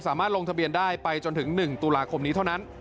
ลงทะเบียนได้ไปจนถึง๑ตุลาคมนี้เท่านั้น